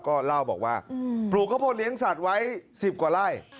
ก็เล่าบอกว่าปลูกข้าวโพดเลี้ยงสัตว์ไว้๑๐กว่าไร่